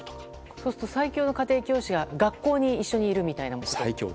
そうすると最強の家庭教師が学校で一緒にいるみたいな。